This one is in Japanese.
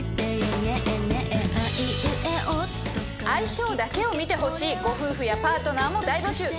相性だけを見てほしいご夫婦やパートナーも大募集！